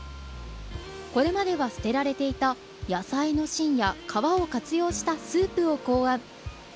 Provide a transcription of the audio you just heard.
これまでは捨てられていた野菜の芯や皮を活用したスープを考案。